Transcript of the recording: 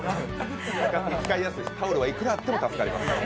タオルはいくらあっても助かります。